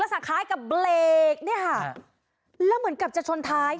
แล้วสามารถคล้ายกับเบรกเนี่ยฮะแล้วเหมือนกับจะชนท้าย